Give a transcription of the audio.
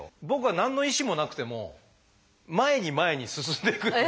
僕は何の意思もなくても前に前に進んでいく。